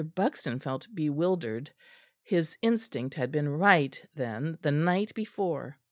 Buxton felt bewildered. His instinct had been right, then, the night before.